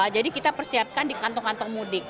jadi kita persiapkan di kantong kantong mudik